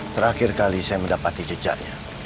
terakhir kali saya mendapati jejaknya